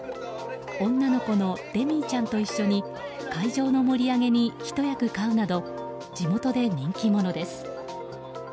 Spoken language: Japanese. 女の子のデミーちゃんと一緒に会場の盛り上げにひと役買うなど地元で人気者です。